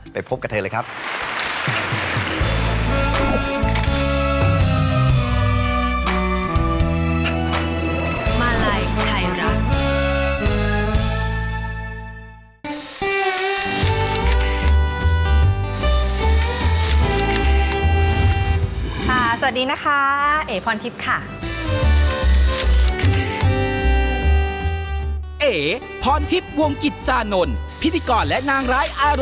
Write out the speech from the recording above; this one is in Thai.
ไปพบกับเธอเลยครับ